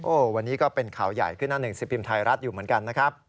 วันนี้ก็เป็นข่าวใหญ่ขึ้นหน้าหนึ่งสิบพิมพ์ไทยรัฐอยู่เหมือนกันนะครับ